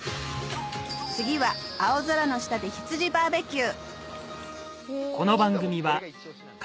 次は青空の下で羊バーベキュー！